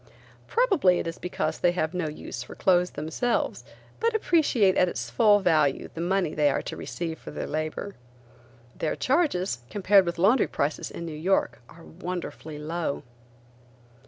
Probably it is because they have no use for clothes themselves, but appreciate at its full value the money they are to receive for their labor. Their charges, compared with laundry prices in New York, are wonderfully low.